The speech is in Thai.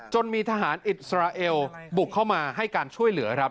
มีทหารอิสราเอลบุกเข้ามาให้การช่วยเหลือครับ